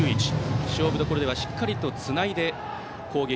勝負どころではしっかりとつないで攻撃。